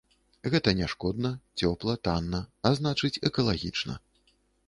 Гэта няшкодна, цёпла, танна, а значыць, экалагічна.